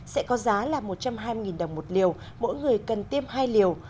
sẽ có giá là một trăm hai mươi đồng một liều mỗi người cần tiêm hai liều